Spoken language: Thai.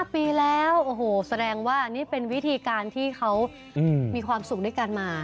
ปีแล้วโอ้โหแสดงว่านี่เป็นวิธีการที่เขามีความสุขด้วยกันมา